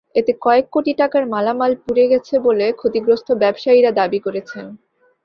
এতে কয়েক কোটি টাকার মালামাল পুড়ে গেছে বলে ক্ষতিগ্রস্ত ব্যবসায়ীরা দাবি করেছেন।